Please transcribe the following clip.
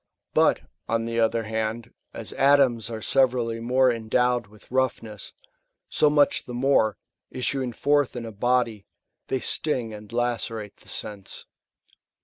But, on the other hand, as atoms are severally more endowed with roughness, so much the more, issuing forth in a body,^ they sting and lacerate the sense.